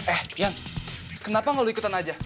eh yong kenapa gak lo ikutan aja